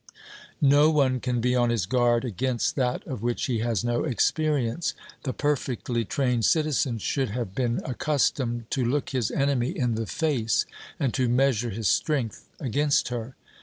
No one can be on his guard against that of which he has no experience. The perfectly trained citizen should have been accustomed to look his enemy in the face, and to measure his strength against her.